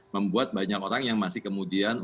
membuat banyak orang yang masih kemudian